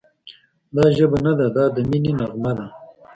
دا ژبه نه ده، دا د مینې نغمه ده»